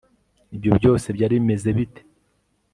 ibyo byose byari bimeze bite